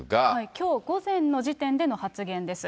きょう午前の時点での発言です。